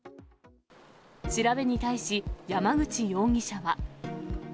調べに対し、山口容疑者は。